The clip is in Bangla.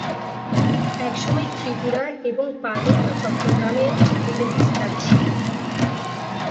একসময় ত্রিপুরা এবং পার্বত্য চট্টগ্রামেও এদের বিস্তার ছিল।